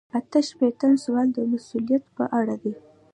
اته شپیتم سوال د مسؤلیت په اړه دی.